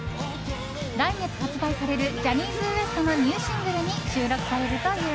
来月発売されるジャニーズＷＥＳＴのニューシングルに収録されるという。